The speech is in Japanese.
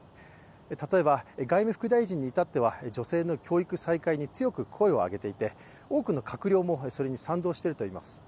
例えば外務副大臣に至っては、女性の教育再開に強く声を上げていて多くの閣僚もそれに賛同しているといいます。